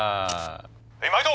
「へいまいど！